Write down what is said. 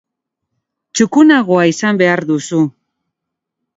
Gaueko eta goizaldeko tenperaturak behera egingo du baina egunekoa antzera mantenduko da.